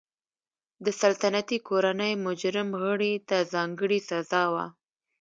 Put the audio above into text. د سلطنتي کورنۍ مجرم غړي ته ځانګړې سزا وه.